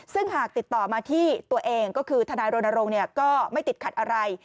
ซึ่งหากติดต่อมาที่ตัวเองก็คือทนายรณรงค์ก็ไม่ติดขัดอะไร